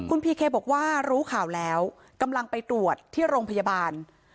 คุณพีเคบอกว่ารู้ข่าวแล้วกำลังไปตรวจที่โรงพยาบาล